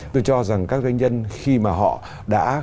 tôi cho rằng các doanh nhân khi mà họ đã